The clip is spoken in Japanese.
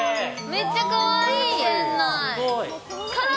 めっちゃかわいい、店内。